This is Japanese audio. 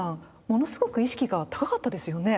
ものすごく意識が高かったですよね。